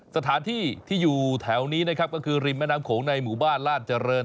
สถานที่ที่อยู่แถวนี้นะครับก็คือริมแม่น้ำโขงในหมู่บ้านราชเจริญ